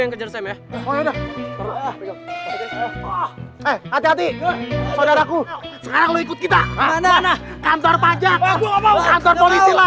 yang kejar saya eh hati hati saudaraku sekarang lu ikut kita mana kantor pajak